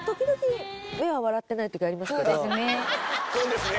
そうですね。